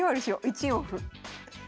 １四歩。